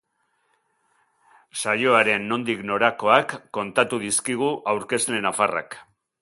Saioaren nondik norakoak kontatu dizkigu aurkezle nafarrak.